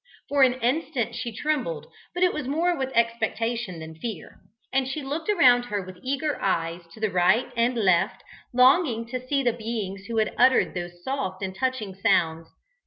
For an instant she trembled, but it was more with expectation than fear, and she looked around her with eager eyes, to the right and left, longing to see the beings who had uttered those soft and touching sounds.